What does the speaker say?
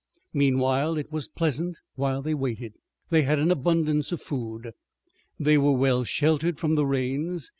Meanwhile it was pleasant while they waited. They had an abundance of food. They were well sheltered from the rains.